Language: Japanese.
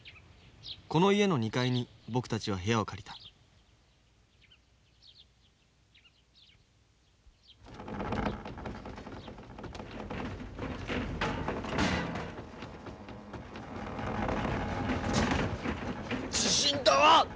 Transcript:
この家の２階に僕たちは部屋を借りた地震だ！